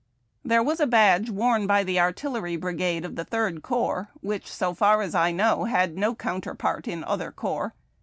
There was a badge worn by the artillery brigade of the Third Corps, which, so far as I know, had no counterpart in other corps.